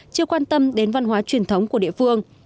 chưa quan tâm đến văn hóa truyền thống của địa phương